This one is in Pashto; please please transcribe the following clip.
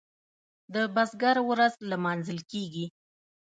د بزګر ورځ لمانځل کیږي.